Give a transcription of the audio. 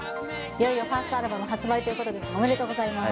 いよいよファーストアルバム発売ということで、おめでとうございます。